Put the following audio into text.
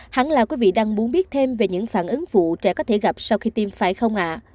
hắn là quý vị đang muốn biết thêm về những phản ứng phụ trẻ có thể gặp sau khi tiêm phải không ạ